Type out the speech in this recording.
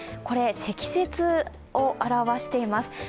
これ、積雪を表しています。